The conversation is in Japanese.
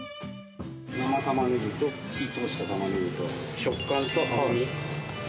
生たまねぎと火を通したたまねぎと、食感と甘み。